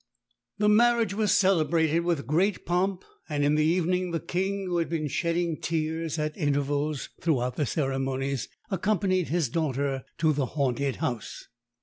The marriage was celebrated with great pomp; and in the evening the King, who had been shedding tears at intervals throughout the ceremonies, accompanied his daughter to the haunted house.